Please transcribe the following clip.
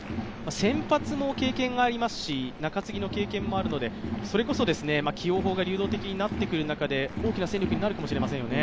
先発も経験がありますし、中継ぎの経験もあるので、それこそ、起用法が流動的になってくる中で大きな戦力になるかもしれませんよね。